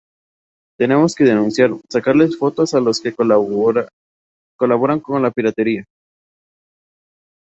tenemos que denunciar, sacarles fotos a los que colaboran con la piratería